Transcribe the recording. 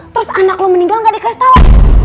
terus anak lo meninggal gak dikasih tahu